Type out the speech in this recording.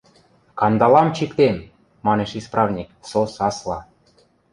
–...Кандалам чиктем! – манеш исправник, со сасла.